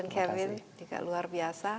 dan kevin juga luar biasa